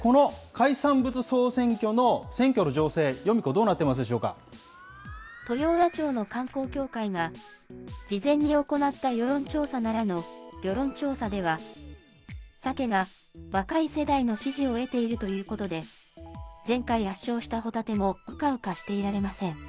さあ、そしてこの海産物総選挙の選挙の情勢、ヨミ子、どうなって豊浦町の観光協会が事前に行った世論調査ならぬ、ギョ論調査では、サケが若い世代の支持を得ているということで、前回圧勝したホタテもうかうかしていられません。